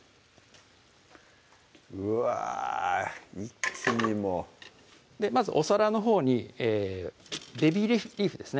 うわ一気にもうまずお皿のほうにベビーリーフですね